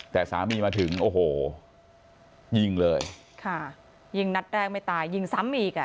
แต่สามีมาถึงโอ้โหยิงเลยค่ะยิงนัดแรกไม่ตายยิงซ้ำอีกอ่ะ